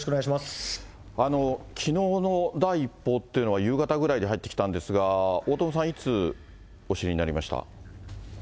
きのうの第一報というのは、夕方ぐらいに入ってきたんですが、大友さん、いつお知りになりました？